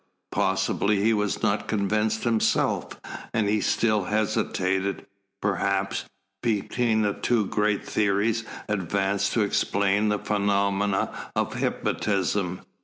Possibly he was not convinced himself, and he still hesitated, perhaps, between the two great theories advanced to explain the phenomena of hypnotism.